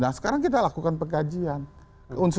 nah sekarang kita lakukan pengkajian